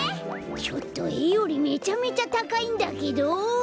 ちょっとえよりめちゃめちゃたかいんだけど。